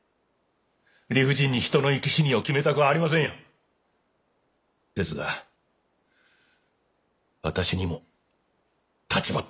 理不尽に人の生き死にを決めたくありませんよですが私にも立場ってものがあります